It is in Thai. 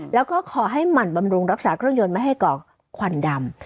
แล้วก็ขอให้หมั่นบำรุงรักษาเครื่องยนต์ไม่ให้ก่อควันดำ